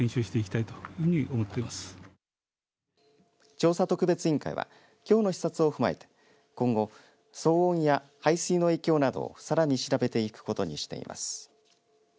調査特別委員会はきょうの視察を踏まえて今後、騒音や排水の影響などをさらに調べていくことにしています。